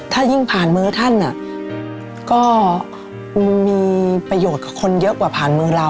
ถ้ายิ่งผ่านมือท่านก็มีประโยชน์กับคนเยอะกว่าผ่านมือเรา